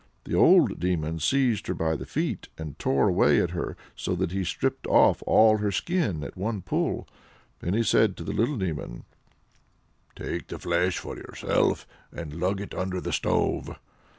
The old demon seized her by the feet, and tore away at her so that he stripped off all her skin at one pull. Then he said to the little demon: "Take the flesh for yourself, and lug it under the stove."